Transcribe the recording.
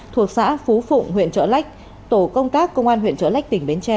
thuộc xã phú phụng huyện trở lách tổ công tác công an huyện trở lách tỉnh bến tre